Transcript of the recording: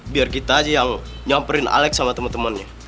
biar kita aja yang nyamperin alec sama temen temennya